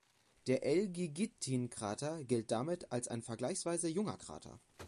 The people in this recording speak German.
Der Elgygytgyn-Krater gilt damit als ein vergleichsweise junger Krater.